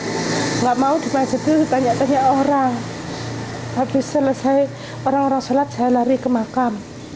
enggak mau dimasjid ditanya tanya orang habis selesai orang orang sholat saya lari ke makam